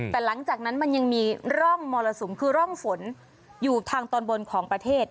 แต่หลังจากนั้นมันยังมีร่องมรสุมคือร่องฝนอยู่ทางตอนบนของประเทศ